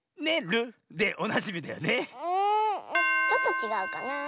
んちょっとちがうかなあ。